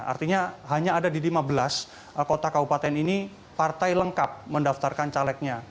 artinya hanya ada di lima belas kota kabupaten ini partai lengkap mendaftarkan calegnya